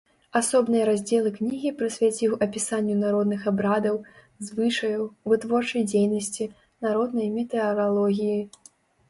Асобныя раздзелы кнігі прысвяціў апісанню народных абрадаў, звычаяў, вытворчай дзейнасці, народнай метэаралогіі.